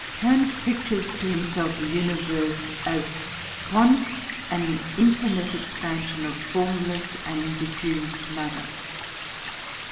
] Kant pictures to himself the universe as once an infinite expansion of formless and diffused matter.